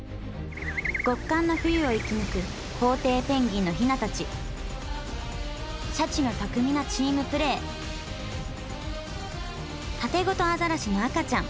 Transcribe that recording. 極寒の冬を生き抜くコウテイペンギンのヒナたちシャチの巧みなチームプレータテゴトアザラシの赤ちゃん。